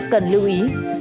cần lưu ý